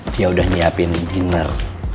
dia udah nyiapin diner